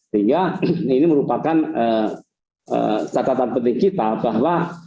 sehingga ini merupakan catatan penting kita bahwa